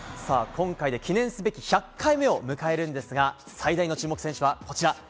今回で記念すべき１００回目を迎えるんですが最大の注目選手は、こちら！